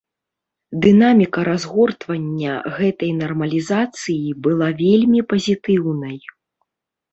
Дынаміка разгортвання гэтай нармалізацыі была вельмі пазітыўнай.